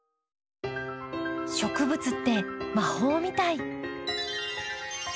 植物って魔法みたい。